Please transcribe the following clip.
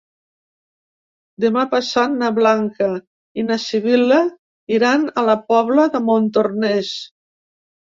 Demà passat na Blanca i na Sibil·la iran a la Pobla de Montornès.